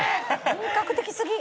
本格的すぎ！